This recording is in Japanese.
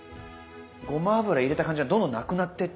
ごま油入れた感じがどんどんなくなってってるもんね。